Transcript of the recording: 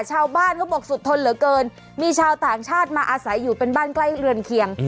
เขาบอกสุดทนเหลือเกินมีชาวต่างชาติมาอาศัยอยู่เป็นบ้านใกล้เรือนเคียง